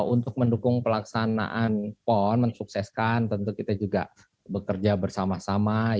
untuk mendukung pelaksanaan pon mensukseskan tentu kita juga bekerja bersama sama